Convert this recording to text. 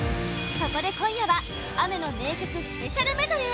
そこで今夜は雨の名曲スペシャルメドレー！